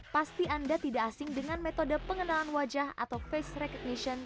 pasti anda tidak asing dengan metode pengenalan wajah atau face recognition